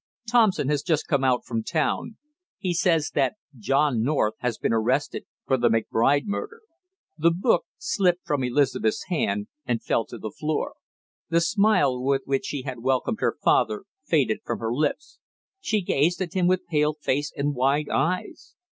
"Thompson has just come out from town he says that John North has been arrested for the McBride murder " The book slipped from Elizabeth's hand and fell to the floor; the smile with which she had welcomed her father faded from her lips; she gazed at him with pale face and wide eyes.